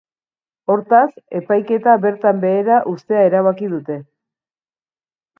Hortaz, epaiketa bertan behera uztea erabaki dute.